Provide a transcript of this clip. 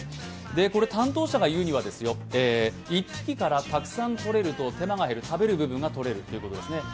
担当者が言うには、１匹からたくさんとれると手間が減る、食べる部分がとれるということですね。